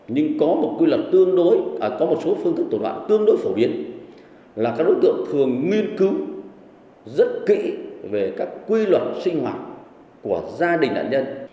nhưng có một quy luật tương đối có một số phương thức thủ đoạn tương đối phổ biến là các đối tượng thường nghiên cứu rất kỹ về các quy luật sinh hoạt của gia đình nạn nhân